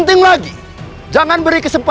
dengar kalian semua